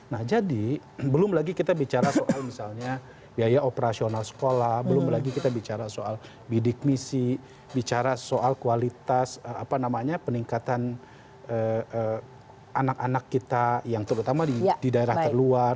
nah jadi belum lagi kita bicara soal misalnya biaya operasional sekolah belum lagi kita bicara soal bidik misi bicara soal kualitas apa namanya peningkatan anak anak kita yang terutama di daerah terluar